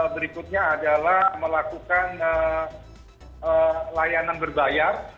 berikutnya adalah melakukan layanan berbayar